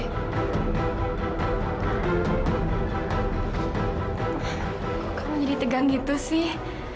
kok kamu jadi tegang gitu sih